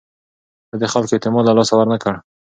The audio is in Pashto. ده د خلکو اعتماد له لاسه ورنه کړ.